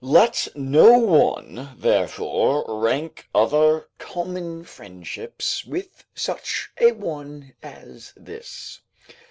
Let no one, therefore, rank other common friendships with such a one as this.